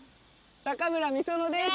高村美園です！